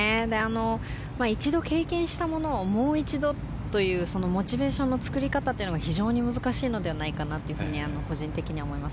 一度、経験したものをもう一度というモチベーションの作り方は非常に難しいのではないかと個人的には思います。